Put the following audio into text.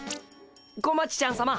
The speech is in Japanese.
小町ちゃんさま